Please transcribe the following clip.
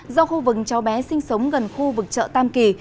do khu vực cháu bé sinh sống gần khu vực chợ tam kỳ